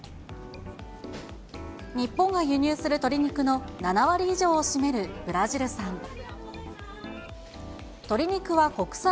日本が輸入する鶏肉の７割以上を占めるブラジル産。